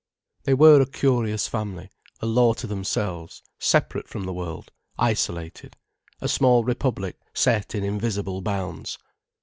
They were a curious family, a law to themselves, separate from the world, isolated, a small republic set in invisible bounds.